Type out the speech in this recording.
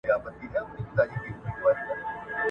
پرون مي د خزان د موسم